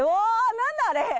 何だあれ！！